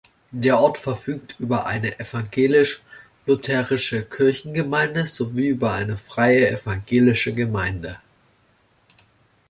Der Ort verfügt über eine evangelisch-lutherische Kirchengemeinde sowie über eine Freie evangelische Gemeinde.